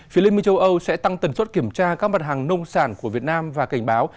phía liên minh châu âu sẽ tăng tần suất kiểm tra các mặt hàng nông sản của việt nam và cảnh báo